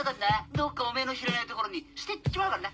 どっかおめぇの知らない所に捨てっちまうからな！